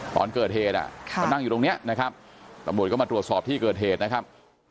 ตอนเกิดเหตุมานั่งอยู่ตรงนี้นะครับตำรวจก็มาตรวจสอบที่เกิดเหตุนะครับ